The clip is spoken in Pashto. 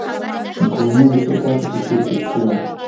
مېکاروني او د چرګ غوښه په کې وه.